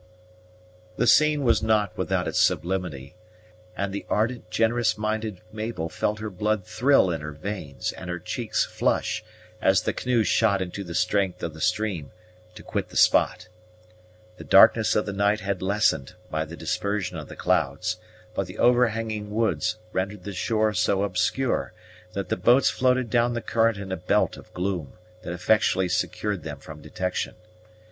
THE scene was not without its sublimity, and the ardent, generous minded Mabel felt her blood thrill in her veins and her cheeks flush, as the canoe shot into the strength of the stream, to quit the spot. The darkness of the night had lessened, by the dispersion of the clouds; but the overhanging woods rendered the shore so obscure, that the boats floated down the current in a belt of gloom that effectually secured them from detection.